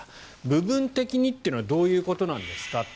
部分的にというのはどういうことなんですか？